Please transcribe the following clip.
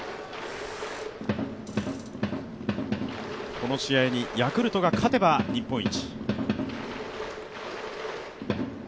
この試合にヤクルトが勝てば日本一。